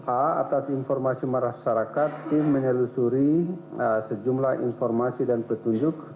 a atas informasi masyarakat tim menyelusuri sejumlah informasi dan petunjuk